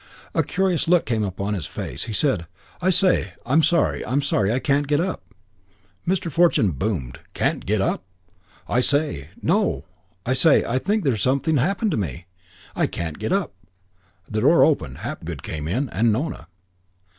A curious look came upon his face. He said, "I say, I'm sorry. I'm sorry. I I can't get up." Mr. Fortune boomed, "Can't get up!" "I say No. I say, I think something's happened to me. I can't get up." The door opened. Hapgood came in, and Nona.